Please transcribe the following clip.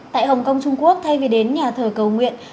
tại hồng kông trung quốc thay vì đến nhà thờ cầu nguyện